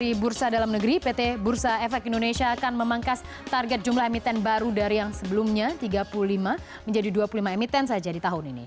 di bursa dalam negeri pt bursa efek indonesia akan memangkas target jumlah emiten baru dari yang sebelumnya tiga puluh lima menjadi dua puluh lima emiten saja di tahun ini